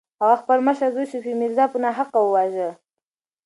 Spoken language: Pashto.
هغه خپل مشر زوی صفي میرزا په ناحقه وواژه.